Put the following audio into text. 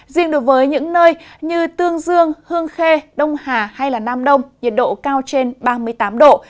riêng đối với những nơi như tương dương hương khê đông hà hay nam đông nhiệt độ cao trên ba mươi tám độ